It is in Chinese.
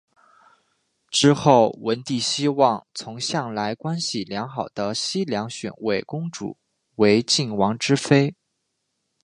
之后文帝希望从向来关系良好的西梁选位公主为晋王之妃。